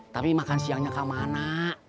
tapi makan siangnya kemana